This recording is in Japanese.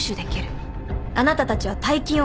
あなたたちは大金を稼いだ。